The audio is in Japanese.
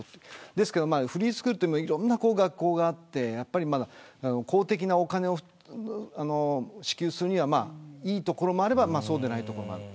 だけど、フリースクールはいろんな学校があって公的なお金を支給するにはいいところもあればそうでないところもある。